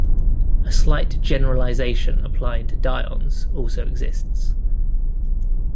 A slight generalization applying to dyons also exists.